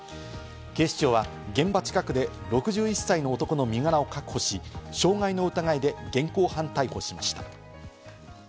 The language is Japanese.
警視庁は現場近くで６１歳の男の身柄を確保し、傷害の疑いで現行犯逮捕しました。